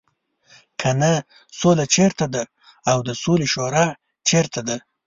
کنه سوله چېرته ده او د سولې شورا چېرته ده.